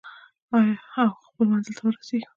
آیا او خپل منزل ته ورسیږو؟